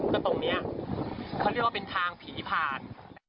ก็ตรงนี้เขาเรียกว่าเป็นทางผีผ่าน